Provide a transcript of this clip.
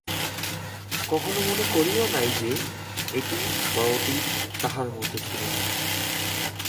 কখনও মনে করিও না যে, এটি বা ওটি তাঁহার মত ছিল।